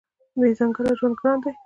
بې ځنګله ژوند ګران دی.